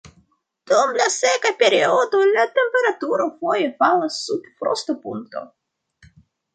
Dum la seka periodo la temperaturo foje falas sub frostopunkto.